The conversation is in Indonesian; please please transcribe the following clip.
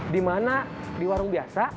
di mana di warung biasa